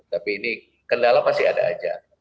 tapi ini kendala masih ada aja